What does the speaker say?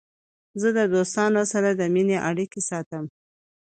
زه د دوستانو سره د مینې اړیکې ساتم.